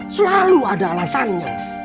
selalu ada alasannya